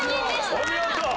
お見事！